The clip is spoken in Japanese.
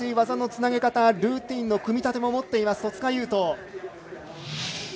技のつなげ方ルーティンの組み立ても持っている戸塚優斗。